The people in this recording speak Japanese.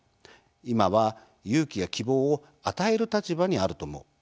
今は、勇気や希望を与える立場にあると思う。